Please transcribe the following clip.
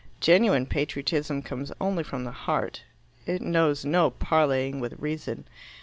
Genuine patriotism comes only from the heart. It knows no parleying with reason.